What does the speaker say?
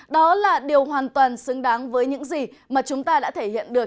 đó là điều hoàn toàn xứng đáng với những gì mà chúng ta đã thể hiện được